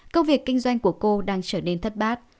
công việc kinh doanh của cô đang trở nên thất bát